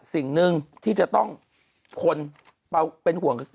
สิ่งหนึ่งที่จะต้องคนเป็นห่วง